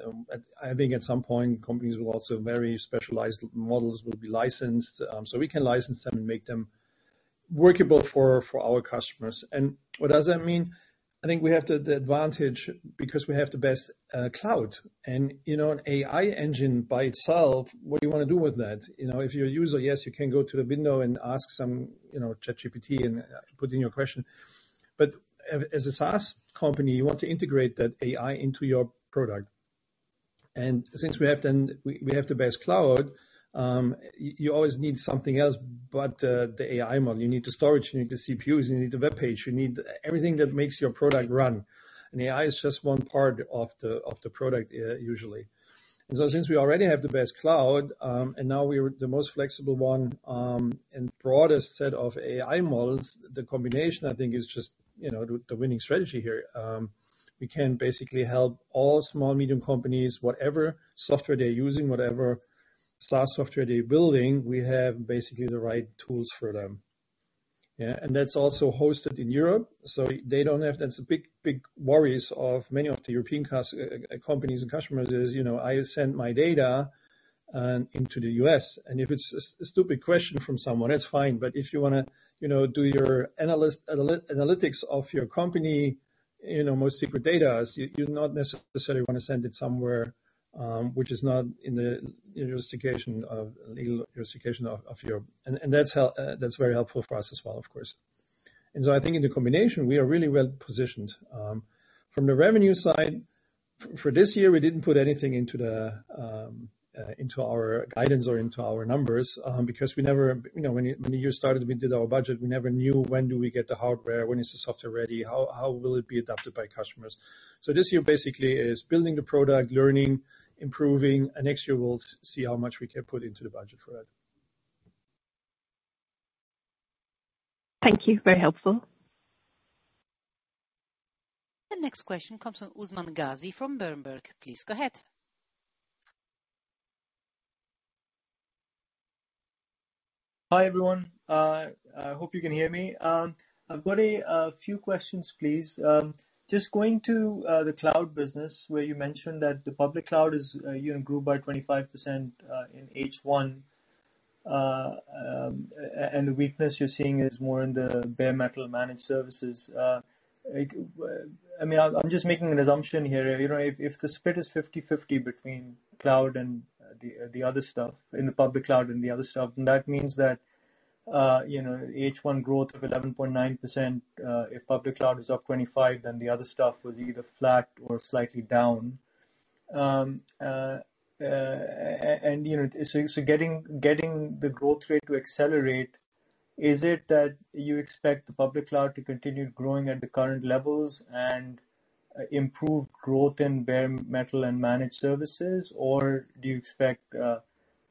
I think at some point, companies will also very specialized models will be licensed. So we can license them and make them workable for our customers. And what does that mean? I think we have the advantage because we have the best cloud. And, you know, an AI engine by itself, what do you wanna do with that? You know, if you're a user, yes, you can go to the window and ask some, you know, ChatGPT and put in your question, but as a SaaS company, you want to integrate that AI into your product. And since we have then... We have the best cloud, you always need something else, but the AI model. You need the storage, you need the CPUs, you need the web page, you need everything that makes your product run, and AI is just one part of the product, usually. And so since we already have the best cloud, and now we're the most flexible one, and broadest set of AI models, the combination, I think, is just, you know, the winning strategy here. We can basically help all small-medium companies, whatever software they're using, whatever SaaS software they're building, we have basically the right tools for them. Yeah, and that's also hosted in Europe, so they don't have - that's a big, big worries of many of the European companies and customers is, you know, I send my data into the U.S., and if it's a stupid question from someone, that's fine. But if you wanna, you know, do your analytics of your company, you know, most secret data, you, you not necessarily wanna send it somewhere, which is not in the legal jurisdiction of your... And that's very helpful for us as well, of course. And so I think in the combination, we are really well positioned. From the revenue side, for this year, we didn't put anything into the into our guidance or into our numbers, because we never... You know, when the year started, we did our budget, we never knew when do we get the hardware, when is the software ready, how it will be adopted by customers? This year basically is building the product, learning, improving, and next year we'll see how much we can put into the budget for it. Thank you. Very helpful. The next question comes from Usman Ghazi, from Berenberg. Please go ahead.... Hi, everyone. I hope you can hear me. I've got a few questions, please. Just going to the cloud business, where you mentioned that the public cloud even grew by 25% in H1. And the weakness you're seeing is more in the bare metal managed services. I mean, I'm just making an assumption here. You know, if the split is 50/50 between cloud and the other stuff, in the public cloud and the other stuff, then that means that, you know, H1 growth of 11.9%, if public cloud is up 25, then the other stuff was either flat or slightly down. And, you know, so getting the growth rate to accelerate, is it that you expect the public cloud to continue growing at the current levels and improve growth in bare metal and managed services? Or do you expect,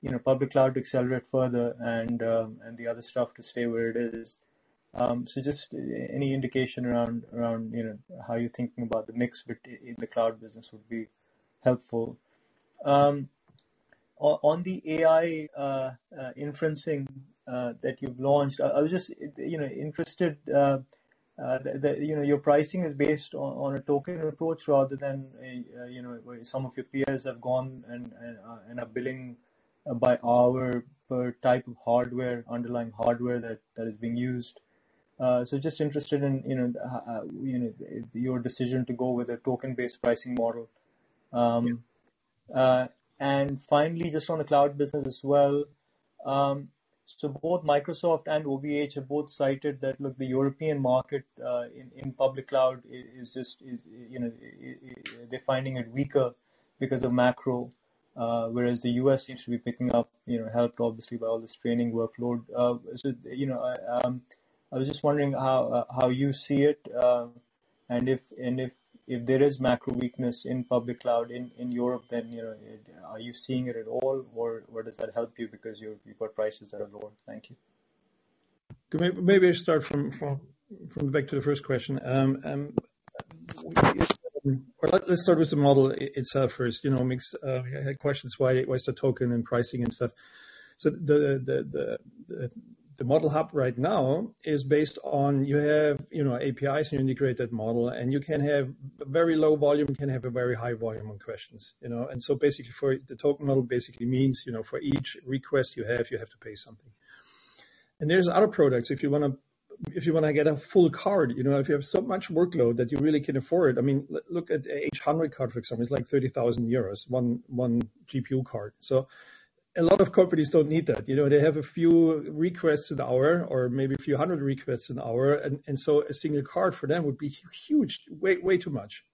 you know, public cloud to accelerate further and the other stuff to stay where it is? So just any indication around, you know, how you're thinking about the mix between in the cloud business would be helpful. On the AI inferencing that you've launched, I was just, you know, interested, the, you know, your pricing is based on a token approach rather than a, you know, where some of your peers have gone and are billing by hour per type of hardware, underlying hardware that is being used. So just interested in, you know, you know, your decision to go with a token-based pricing model. And finally, just on the cloud business as well. So both Microsoft and OVH have both cited that, look, the European market in public cloud is just, you know, they're finding it weaker because of macro, whereas the US seems to be picking up, you know, helped obviously by all this training workload. So, you know, I was just wondering how you see it. And if there is macro weakness in public cloud in Europe, then, you know, are you seeing it at all, or does that help you because you've got prices that are lower? Thank you. Maybe I start from back to the first question. Well, let's start with the model itself first. You know, I had questions, why is the token and pricing and stuff? So the model hub right now is based on you have, you know, APIs in your integrated model, and you can have a very low volume, you can have a very high volume of questions, you know? And so basically, for the token model, basically means, you know, for each request you have, you have to pay something. And there's other products. If you wanna get a full card, you know, if you have so much workload that you really can afford, I mean, look at H100 card, for example, it's like 30 thousand euros, one GPU card. So a lot of companies don't need that. You know, they have a few requests an hour or maybe a few hundred requests an hour, and so a single card for them would be huge, way, way too much.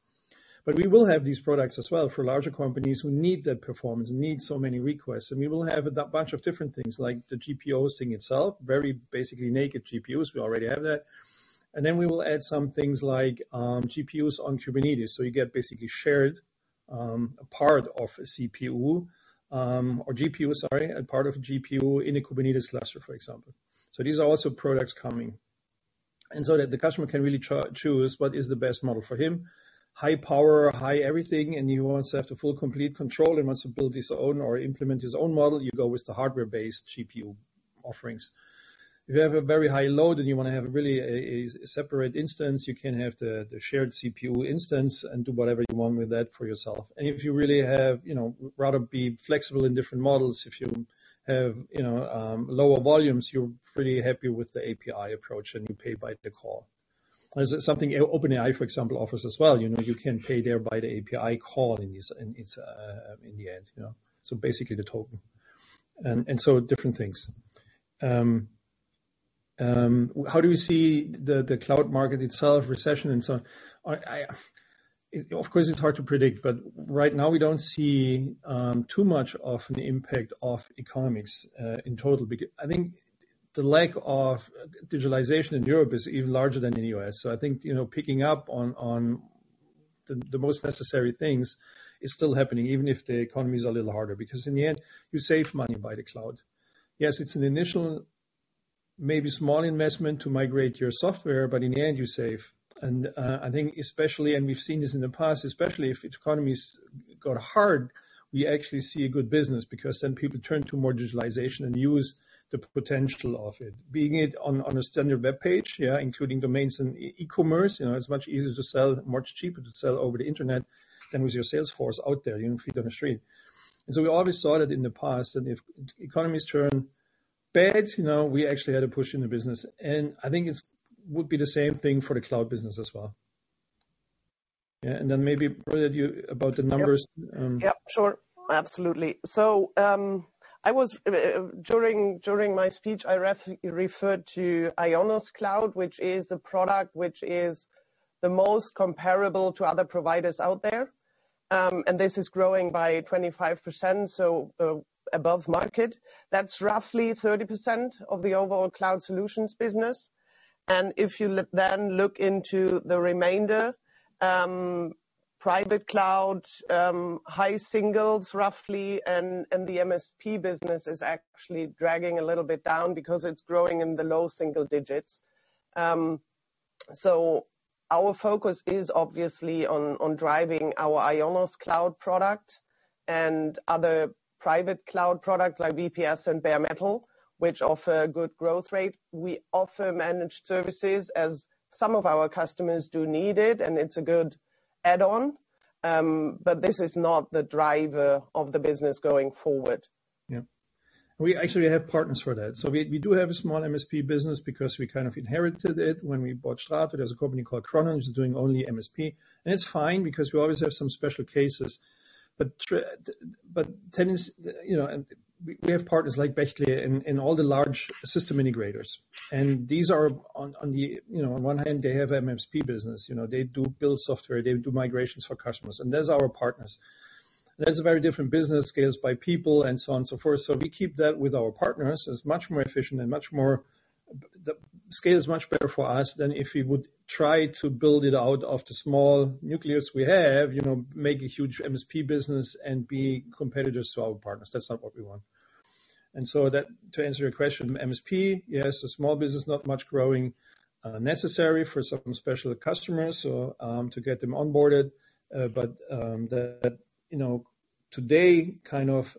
But we will have these products as well for larger companies who need that performance, need so many requests. And we will have a bunch of different things, like the GPU thing itself, very basically naked GPUs. We already have that. And then we will add some things like GPUs on Kubernetes. So you get basically shared, a part of a CPU or GPU, sorry, a part of GPU in a Kubernetes cluster, for example. So these are also products coming. And so that the customer can really choose what is the best model for him. High power, high everything, and he wants to have the full, complete control, he wants to build his own or implement his own model, you go with the hardware-based GPU offerings. If you have a very high load and you want to have really a separate instance, you can have the shared CPU instance and do whatever you want with that for yourself. And if you really have, you know, rather be flexible in different models, if you have, you know, lower volumes, you're pretty happy with the API approach, and you pay by the call. This is something OpenAI, for example, offers as well. You know, you can pay there by the API call, and it's in the end, you know, so basically the token, and so different things. How do we see the cloud market itself, recession and so on? Of course, it's hard to predict, but right now, we don't see too much of an impact of economics in total. I think the lack of digitalization in Europe is even larger than in the US. So I think, you know, picking up on the most necessary things is still happening, even if the economy is a little harder, because in the end, you save money by the cloud. Yes, it's an initial, maybe small investment to migrate your software, but in the end, you save. And I think especially, and we've seen this in the past, especially if economies got hard, we actually see a good business because then people turn to more digitalization and use the potential of it. Being on a standard web page, yeah, including domains and e-commerce, you know, it's much easier to sell, much cheaper to sell over the internet than with your sales force out there, you know, feet on the street. And so we always saw that in the past, and if economies turn bad, you know, we actually had a push in the business, and I think it would be the same thing for the cloud business as well. Yeah, and then maybe, Britta, about the numbers. Yep. Yep, sure. Absolutely. I was during my speech, I referred to IONOS Cloud, which is the product which is the most comparable to other providers out there. And this is growing by 25%, so above market. That's roughly 30% of the overall cloud solutions business. And if you then look into the remainder, private cloud, high single digits, roughly, and the MSP business is actually dragging a little bit down because it's growing in the low single digits.... So our focus is obviously on, on driving our IONOS cloud product and other private cloud products like VPS and Bare Metal, which offer good growth rate. We offer managed services as some of our customers do need it, and it's a good add-on. But this is not the driver of the business going forward. Yeah. We actually have partners for that. So we, we do have a small MSP business because we kind of inherited it when we bought Strato. There's a company called Cronon, which is doing only MSP, and it's fine because we always have some special cases. But but tenants, you know, and we, we have partners like Bechtle and, and all the large system integrators, and these are on, on the... You know, on one hand, they have MSP business. You know, they do build software, they do migrations for customers, and that's our partners. That's a very different business scales by people and so on and so forth. So we keep that with our partners. It's much more efficient and much more the scale is much better for us than if we would try to build it out of the small nucleus we have, you know, make a huge MSP business and be competitors to our partners. That's not what we want. And so that, to answer your question, MSP, yes, a small business, not much growing, necessary for some special customers, so, to get them onboarded. But, the, you know, today, kind of,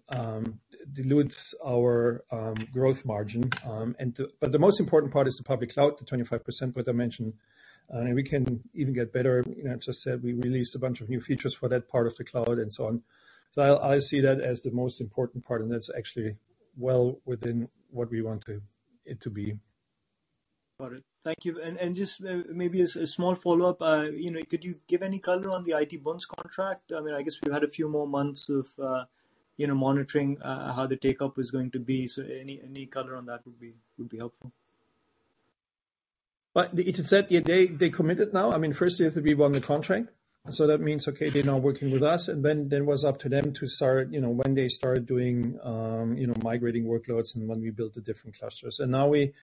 dilutes our growth margin. But the most important part is the public cloud, the 25% what I mentioned, and we can even get better. You know, I just said we released a bunch of new features for that part of the cloud and so on. I see that as the most important part, and that's actually well within what we want it to be. Got it. Thank you. And just maybe a small follow-up, you know, could you give any color on the ITZ Bund contract? I mean, I guess we've had a few more months of, you know, monitoring how the take-up is going to be. So any color on that would be helpful. But it said, yeah, they committed now. I mean, first, they have to be won the contract. So that means, okay, they're now working with us, and then it was up to them to start, you know, when they start doing, you know, migrating workloads and when we build the different clusters. And now we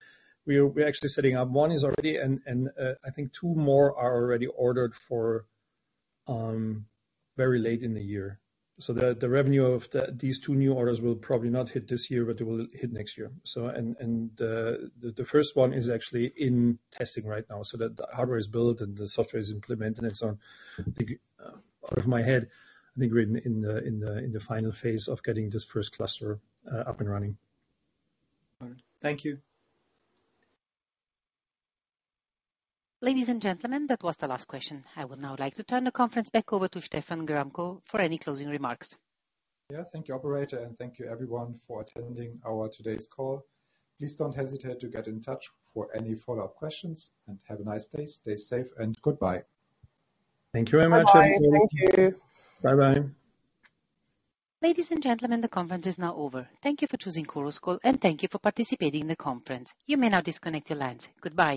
actually setting up. One is already, and I think two more are already ordered for very late in the year. So the revenue of these two new orders will probably not hit this year, but they will hit next year. So, and the first one is actually in testing right now. So that the hardware is built and the software is implemented and so on. I think, out of my head, I think we're in the final phase of getting this first cluster up and running. All right. Thank you. Ladies and gentlemen, that was the last question. I would now like to turn the conference back over to Stefan Gramkow for any closing remarks. Yeah, thank you, operator, and thank you everyone for attending our today's call. Please don't hesitate to get in touch for any follow-up questions, and have a nice day. Stay safe and goodbye. Thank you very much. Bye-bye. Thank you. Bye-bye. Ladies and gentlemen, the conference is now over. Thank you for choosing Chorus Call, and thank you for participating in the conference. You may now disconnect your lines. Goodbye.